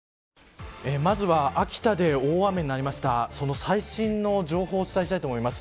まずは秋田で大雨になりましたその最新の情報をお伝えしたいと思います。